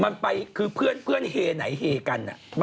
มันไปคือเพื่อนเฮไหนเฮกัน